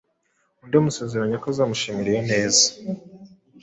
undi amusezeranya ko azamushimira iyo neza